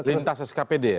lintas skpd ya